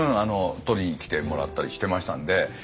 取りに来てもらったりしてましたんで。